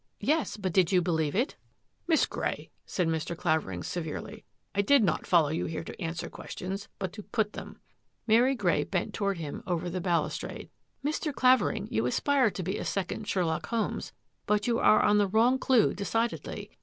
" Yes, but did you believe it? '^ 82 THAT AFFAIR AT THE MANOR " Miss Grey," said Mr. Clavering severely, " I did not follow you here to answer questions, but to put them.'* Mary Grey bent toward him over the balustrade. " Mr. Clavering, you aspire to be a second Sher lock Holmes, but you are on the wrong clue de cidedly.